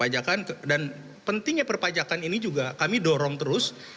dan pentingnya perpajakan ini juga kami dorong terus